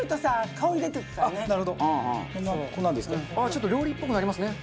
ちょっと料理っぽくなりますね。